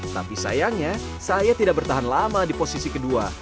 tapi sayangnya saya tidak bertahan lama di posisi kedua